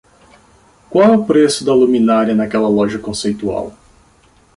Qual é o preço da luminária naquela loja conceitual?